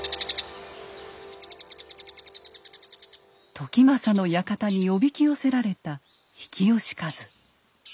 時政の館におびき寄せられた比企能員。